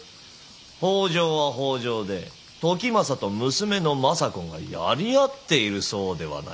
北条は北条で時政と娘の政子がやり合っているそうではないか。